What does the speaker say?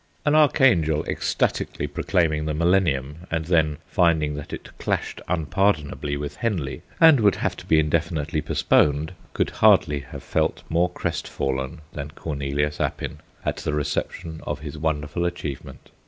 An archangel ecstatically proclaiming the Millennium, and then finding that it clashed unpardonably with Henley and would have to be indefinitely postponed, could hardly have felt more crestfallen than Cornelius Appin at the reception of his wonderful achievement.